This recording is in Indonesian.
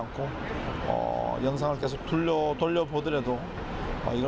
nah funny ya kalau harus dipertahankan